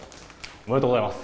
おめでとうございます。